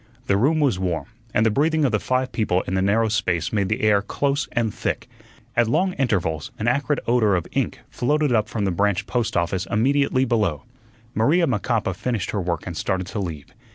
The room was warm, and the breathing of the five people in the narrow space made the air close and thick. At long intervals an acrid odor of ink floated up from the branch post office immediately below. Maria Macapa finished her work and started to leave.